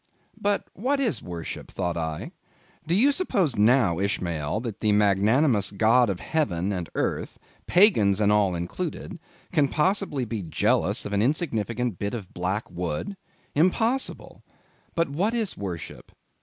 But what is worship? thought I. Do you suppose now, Ishmael, that the magnanimous God of heaven and earth—pagans and all included—can possibly be jealous of an insignificant bit of black wood? Impossible! But what is worship?